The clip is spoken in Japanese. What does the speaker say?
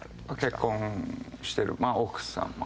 結婚してる奥さん。